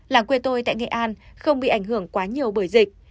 làng quê tôi tại nghệ an không bị ảnh hưởng quá nhiều bởi dịch